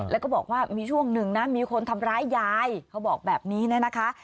แล้วก็บอกว่ามีช่วงหนึ่งนะมีคนทำร้ายยายเขาบอกแบบนี้นะคะ